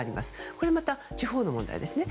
これはまた地方の問題ですね。